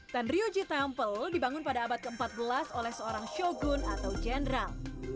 tenryuji temple dibangun pada abad ke empat belas oleh seorang shogun atau jenderal